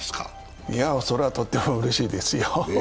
それはとってもうれしいですよ。